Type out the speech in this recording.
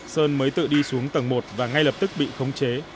sơn mới tự đi xuống tầng một và ngay lập tức bị khống chế